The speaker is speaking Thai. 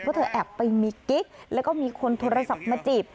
เพราะเธอแอบไปมีกิ๊กแล้วก็มีคนโทรศัพท์มาจีบ